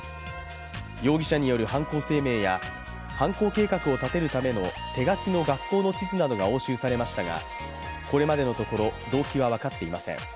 容疑者による犯行声明や犯行計画を立てるための手書きの学校の地図などが押収されましたが、これまでのところ動機は分かっていません。